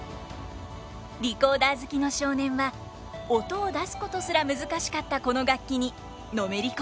リコーダー好きの少年は音を出すことすら難しかったこの楽器にのめり込んでいきます。